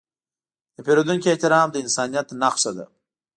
د پیرودونکي احترام د انسانیت نښه ده.